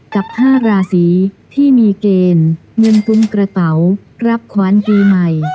กับ๕ราศีที่มีเกณฑ์เงินปุ้มกระเป๋ารับขวานปีใหม่